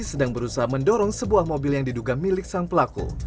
sedang berusaha mendorong sebuah mobil yang diduga milik sang pelaku